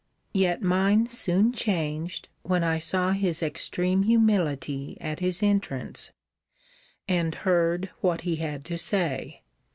Yet mine soon changed, when I saw his extreme humility at his entrance, and heard what he had to say.